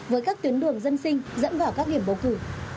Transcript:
với các tuyến đường dân sinh dẫn vào các điểm bầu cử